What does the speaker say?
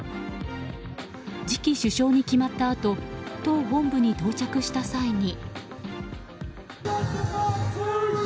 次期首相に決まったあと党本部に到着した際に。